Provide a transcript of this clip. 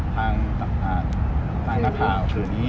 ทางนักข่าว